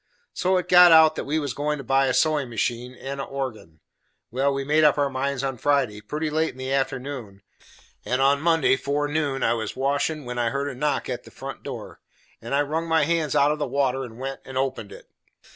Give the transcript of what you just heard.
So it got out that we was goin' to buy a sewin' machine, and a organ. Well, we made up our minds on Friday, pretty late in the afternoon, and on Monday forenoon I was a washin', when I heard a knock at the front door, and I wrung my hands out of the water and went and opened it.